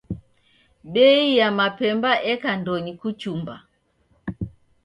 Bei ya mabemba eka ndonyi kuchumba.